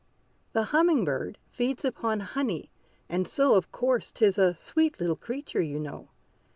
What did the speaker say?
The humming bird feeds upon honey; and so, Of course, 'tis a sweet little creature, you know.